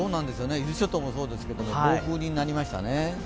伊豆諸島もそうなんですけど強風になりましたね。